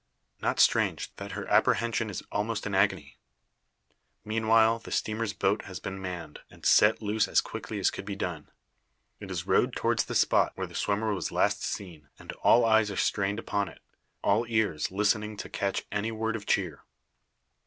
Not strange that her apprehension is almost an agony! Meanwhile the steamer's boat has been manned, and set loose as quickly as could be done. It is rowed towards the spot, where the swimmer was last seen; and all eyes are strained upon it all ears listening to catch any word of cheer.